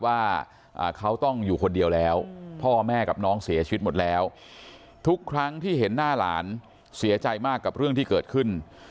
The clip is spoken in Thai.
ว่าเขาต้องอยู่คนเดียวแล้วพ่อแม่กับน้องเสียชีวิตหมดแล้วทุกครั้งที่เห็นหน้าหลานเสียใจมากกับเรื่องที่เกิดขึ้น